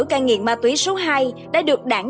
cai nghiện ma túy số hai đã được đảng